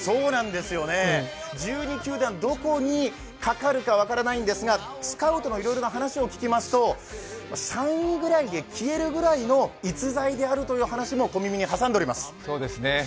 １２球団、どこにかかるか分からないんですがスカウトのいろいろな話を聞きますと、３位ぐらいで消えるぐらいの逸材であるという小耳に挟んでおります。